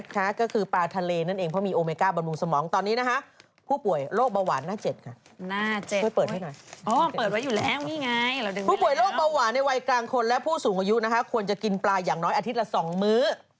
แต่เราก็จะช่วยได้ด้วยการกินปลาทะเล